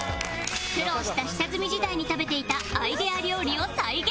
苦労した下積み時代に食べていたアイデア料理を再現